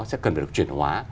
sẽ cần phải được truyền hóa